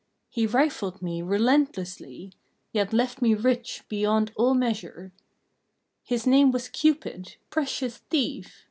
He rifled me relentlessly, Yet left me rich beyond all measure. His name was Cupid precious thief!